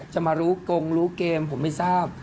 จะมารู้กงรู้เกมผมไม่ทราบ